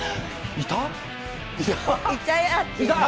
いた？